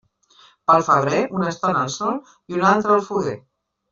Pel febrer, una estona al sol i una altra al foguer.